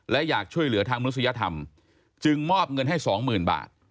และอยากช่วยเหลือทางมนุษยธรรมจึงมอบเงินให้สองหมื่นบาท